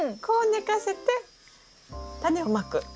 こう寝かせてタネをまく。